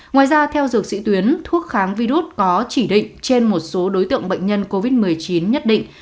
ngoài ra theo dược sĩ tuyến thuốc kháng virus có chỉ định trên một số đối tượng bệnh nhân covid một mươi chín nhất định